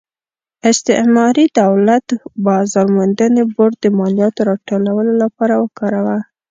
استعماري دولت بازار موندنې بورډ د مالیاتو راټولولو لپاره وکاراوه.